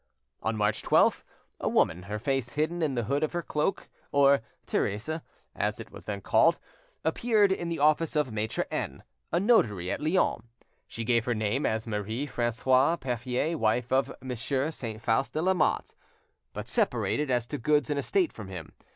On March 12th, a woman, her face hidden in the hood of her cloak, or "Therese," as it was then called, appeared in the office of Maitre N—— , a notary at Lyons. She gave her name as Marie Francoise Perffier, wife of Monsieur Saint Faust de Lamotte, but separated, as to goods and estate, from him.